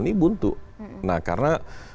ini buntu nah karena